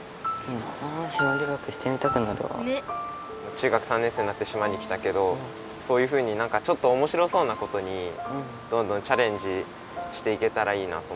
中学３年生になって島に来たけどそういうふうになんかちょっとおもしろそうなことにどんどんチャレンジしていけたらいいなと思って。